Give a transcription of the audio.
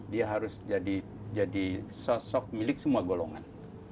dia harus jadi sosok milik semua golongan